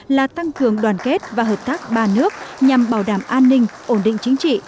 là tăng cường đoàn kết và hợp tác ba nước nhằm bảo đảm an ninh ổn định chính trị